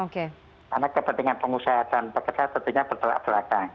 karena kepentingan pengusaha dan pekerja tentunya berbelak belakang